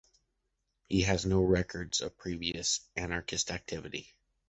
He has no records of previous anarchist activity.